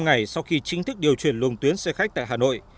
ngày sau khi chính thức điều chuyển luồng tuyến xe khách tại hà nội